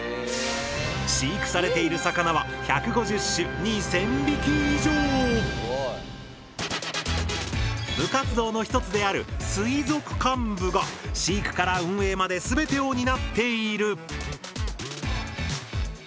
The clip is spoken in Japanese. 飼育されている魚は部活動の一つである「水族館部」が飼育から運営まで全てを担っている。